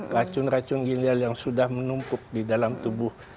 racun racun gilil yang sudah menumpuk di dalam tubuh